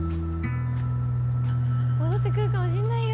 戻ってくるかもしんないよ。